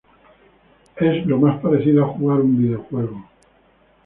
Es lo más parecido a jugar un video-juego.